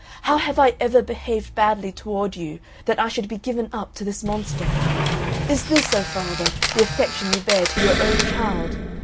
How have I ever behaved badly toward you that I should be given up to this monster. Is this, O Father, the affection you bear to your own child?